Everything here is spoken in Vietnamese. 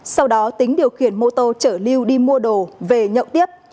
sau đó tính điều khiển mô tô chở lưu đi mua đồ về nhậu tiếp